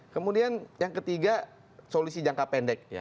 kemudian yang ketiga solusi jangka pendek